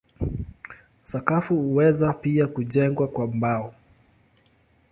Sakafu huweza pia kujengwa kwa mbao.